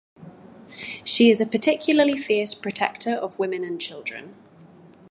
She is a particularly fierce protector of women and children.